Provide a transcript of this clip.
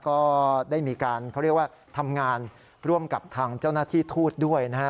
ก็ได้มีการเขาเรียกว่าทำงานร่วมกับทางเจ้าหน้าที่ทูตด้วยนะฮะ